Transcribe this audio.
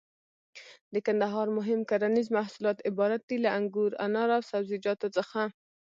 د کندهار مهم کرنيز محصولات عبارت دي له: انګور، انار او سبزيجاتو څخه.